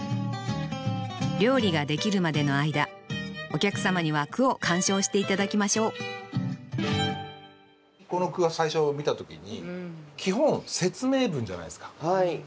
料理ができるまでの間お客様には句を鑑賞して頂きましょうこの句は最初見た時に基本説明文じゃないですか。